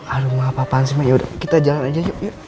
aduh maaf apaan sih ma yaudah kita jalan aja yuk yuk